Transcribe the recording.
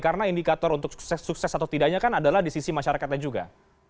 karena indikator untuk sukses atau tidaknya kan adalah di sisi masyarakatnya juga